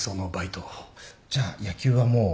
じゃあ野球はもう？